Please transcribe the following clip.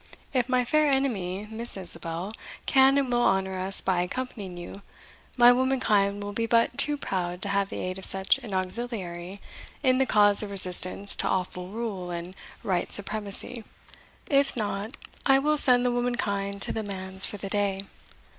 If my fair enemy, Miss Isabel, can and will honour us by accompanying you, my womankind will be but too proud to have the aid of such an auxiliary in the cause of resistance to awful rule and right supremacy. If not, I will send the womankind to the manse for the day.